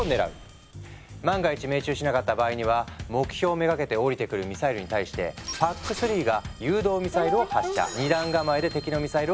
万が一命中しなかった場合には目標めがけて降りてくるミサイルに対してＰＡＣ３が誘導ミサイルを発射。